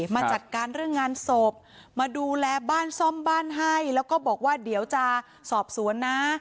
มาจัดการเรื่องงานศพมาดูแลบ้านซ่อมบ้านให้แล้วก็บอกว่าเดี๋ยวจะสอบสวนนะ